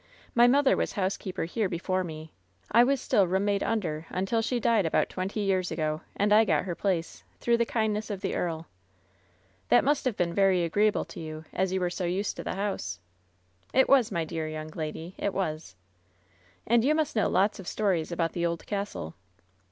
My mother was housekeeper LOVE'S BITTEREST CUP 268 here before me. I was still room maid under until she died about twenty years ago, and I got her place, through the kindness of the earl." "That must have been very agreeable to you, as you were so used to the house." , "It was, my dear young lady, it was." "And you must know lots of stories about the old castle."